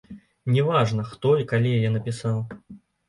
Не важна, хто і калі яе напісаў.